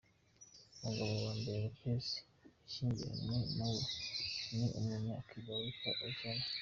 Umugabo wa mbere Lopezi yashyingiranwe na we ni umunya-Cuba witwa Ojani.